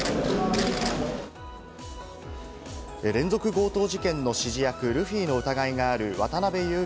連続強盗事件の指示役ルフィの疑いがある渡辺優樹